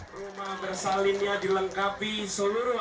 rumah bersalinnya dilengkapi seluruh alat alatnya